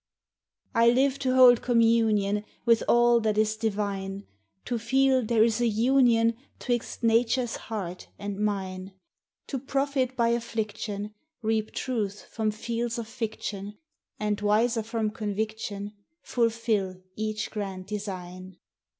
I live to hold communion With all that is divine, To feel there is a union 'Twixt Nature's heart and mine; To profit by affliction, Reap truths from fields of fiction, And, wiser from conviction, Fulfil each grand design.